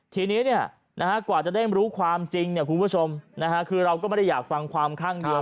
ทีนี้กว่าจะได้รู้ความจริงคุณผู้ชมคือเราก็ไม่ได้อยากฟังความข้างเดียว